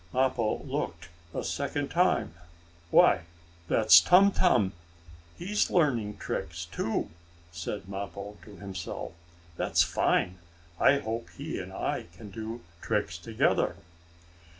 Mappo looked a second time. "Why, that's Tum Tum! He's learning tricks too!" said Mappo, to himself. "That's fine! I hope he and I can do tricks together."